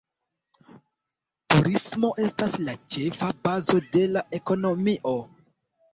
Turismo estas la ĉefa bazo de la ekonomio.